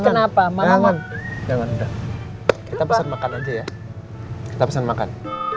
kita pesan makan aja ya kita pesan makan